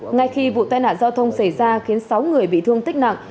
ngay khi vụ tai nạn giao thông xảy ra khiến sáu người bị thương tích nặng